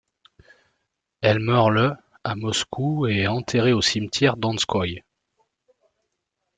Elle meurt le à Moscou et est enterrée au cimetière Donskoï.